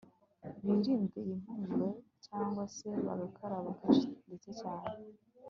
birinde iyi mpumuro cyangwa se bagakaraba kenshi ndetse cyane